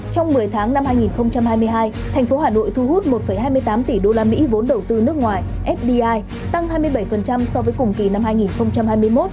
trong một mươi tháng năm hai nghìn hai mươi hai thành phố hà nội thu hút một hai mươi tám tỷ usd vốn đầu tư nước ngoài fdi tăng hai mươi bảy so với cùng kỳ năm hai nghìn hai mươi một